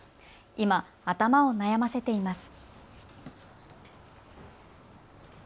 今、頭を悩ませています。